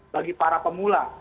bagi para pemula